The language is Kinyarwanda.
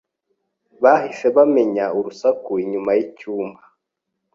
Bahise bamenya urusaku inyuma yicyumba.